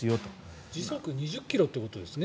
時速２０ｋｍということですね。